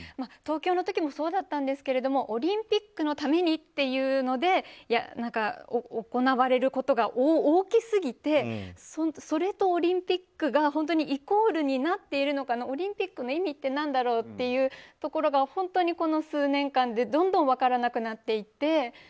東京の時もそうだったんですがオリンピックのためにというので行われることが大きすぎてそれとオリンピックがイコールになっているのかオリンピックの意味って何だろうっていうところが本当に数年間でどんどん分からなくなっていって。